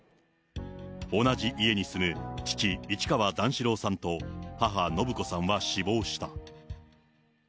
同じ家に住む父、市川段四郎さんと、母、延子さんは死亡した。